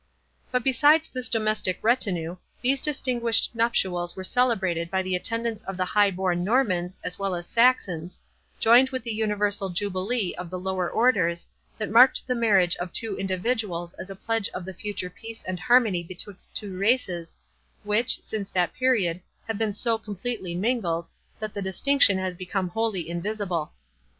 But besides this domestic retinue, these distinguished nuptials were celebrated by the attendance of the high born Normans, as well as Saxons, joined with the universal jubilee of the lower orders, that marked the marriage of two individuals as a pledge of the future peace and harmony betwixt two races, which, since that period, have been so completely mingled, that the distinction has become wholly invisible.